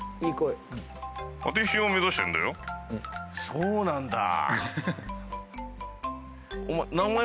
そうなんだ。